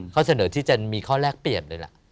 ข้อเสนอที่จะมีข้อแรกเปรียบเลยล่ะ